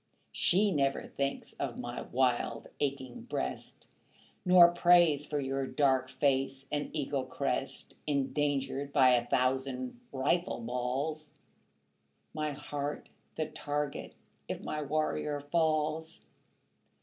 She never thinks of my wild aching breast, Nor prays for your dark face and eagle crest Endangered by a thousand rifle balls, My heart the target if my warrior falls.